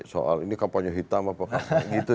soal ini kapannya hitam apa gitu